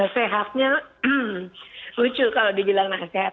sehatnya lucu kalau dibilang nasihat